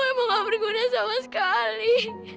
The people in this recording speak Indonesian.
emang gak berguna sama sekali